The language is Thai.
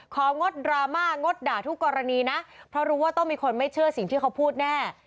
งดดราม่างดด่าทุกกรณีนะเพราะรู้ว่าต้องมีคนไม่เชื่อสิ่งที่เขาพูดแน่